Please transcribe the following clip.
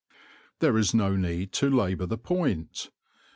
There is no need to labour the point.